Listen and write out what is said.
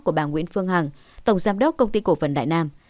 của bà nguyễn phương hằng tổng giám đốc công ty cổ phần đại nam